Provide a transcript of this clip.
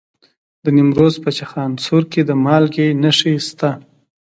د نیمروز په چخانسور کې د مالګې نښې شته.